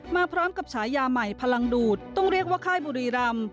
มาพร้อมกับฉายาใหม่พลังดูดต้องเรียกว่าค่ายบุรีรำ